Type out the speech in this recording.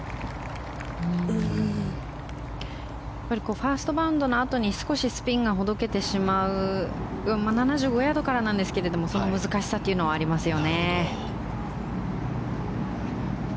ファーストバウンドのあとに少しスピンがほどけてしまう分７５ヤードからなんですけどその難しさというのはありますよね。